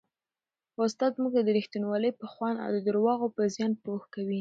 استاد موږ د رښتینولۍ په خوند او د درواغو په زیان پوه کوي.